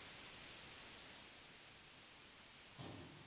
This knowledge prepares students for the transition from school to career.